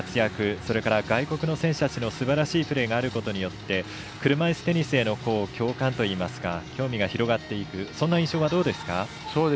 それから外国の選手たちのすばらしいプレーがあることによって車いすテニスへの共感興味が広がっていくそんな印象はどうですか？